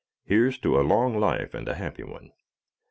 Here's to a long life and a happy one.